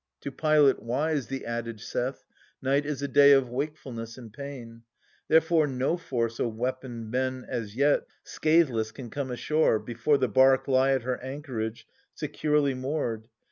To pilot wise., the adage saith, Night is a day of wakefulness and pain. Therefore no force of weaponed men, as yet, Scatheless can come ashore, before the bark Lie at her anchorage securely moored.